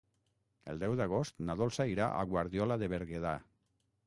El deu d'agost na Dolça irà a Guardiola de Berguedà.